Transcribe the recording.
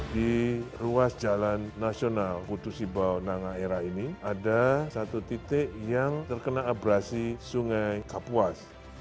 di ruas jalan nasional putus ibau nangaera ini ada satu titik yang terkena abrasi sungai kapuas